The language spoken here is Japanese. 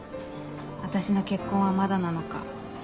「私の結婚はまだなのか」